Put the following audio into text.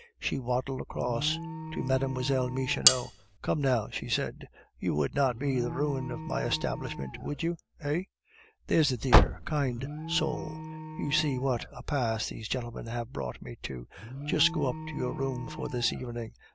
She waddled across to Mlle. Michonneau. "Come, now," she said; "you would not be the ruin of my establishment, would you, eh? There's a dear, kind soul. You see what a pass these gentlemen have brought me to; just go up to your room for this evening."